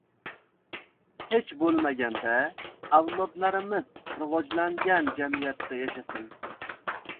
Hech boʻlmaganda avlodlarimiz rivojlangan jamiyatda yashasin.